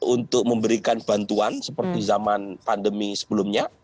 untuk memberikan bantuan seperti zaman pandemi sebelumnya